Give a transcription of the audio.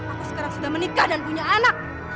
aku sekarang sudah menikah dan punya anak